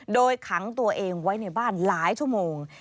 โดยขังตัวเองไว้ในบ้านหลายชั่วโมง